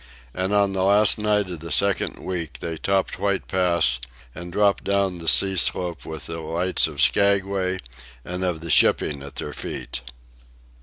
And on the last night of the second week they topped White Pass and dropped down the sea slope with the lights of Skaguay and of the shipping at their feet.